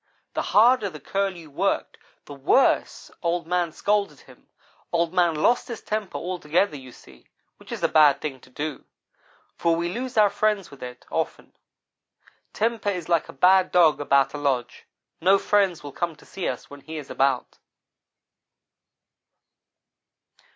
The harder the Curlew worked, the worse Old man scolded him. Old man lost his temper altogether, you see, which is a bad thing to do, for we lose our friends with it, often. Temper is like a bad dog about a lodge no friends will come to see us when he is about.